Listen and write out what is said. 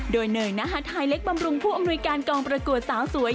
โดยเนยนฮาไทยเล็กบำรุงผู้อำนวยการกองประกวดสาวสวย